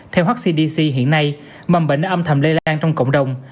theo hcdc hiện nay mầm bệnh đã âm thầm lây lan trong cộng đồng